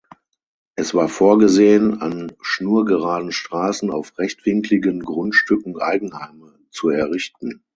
Es war vorgesehen, an schnurgeraden Straßen auf rechtwinkligen Grundstücken Eigenheime zu errichten.